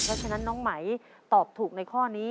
เพราะฉะนั้นน้องไหมตอบถูกในข้อนี้